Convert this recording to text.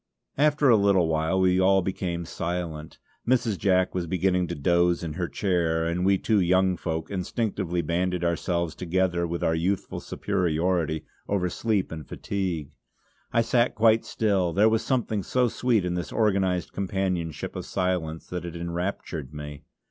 After a little while we all became silent. Mrs. Jack was beginning to doze in her chair, and we two young folk instinctively banded ourselves together with our youthful superiority over sleep and fatigue. I sat quite still; there was something so sweet in this organised companionship of silence that it enraptured me.